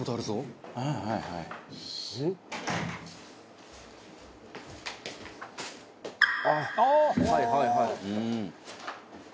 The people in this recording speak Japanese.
はいはいはい」